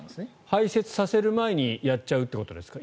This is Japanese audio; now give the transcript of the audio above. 排せつさせる前にやっちゃうということですか？